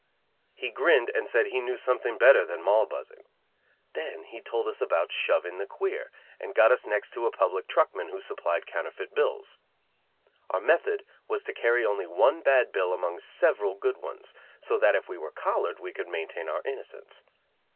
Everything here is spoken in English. He grinned, and said he knew something better than Moll buzzing. Then he told us about "shoving the queer" and got us next to a public truckman who supplied counterfeit bills. Our method was to carry only one bad bill among several good ones, so that if we were collared we could maintain our innocence.